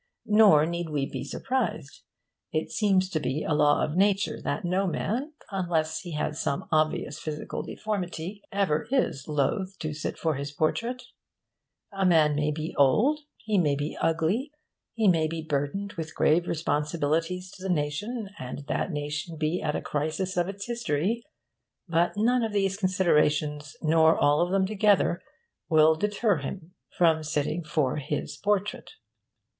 Nor need we be surprised. It seems to be a law of nature that no man, unless he has some obvious physical deformity, ever is loth to sit for his portrait. A man may be old, he may be ugly, he may be burdened with grave responsibilities to the nation, and that nation be at a crisis of its history; but none of these considerations, nor all of them together, will deter him from sitting for his portrait.